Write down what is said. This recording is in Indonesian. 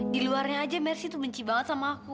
diluarnya aja mercy tuh benci banget sama aku